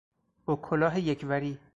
با کلاه یک وری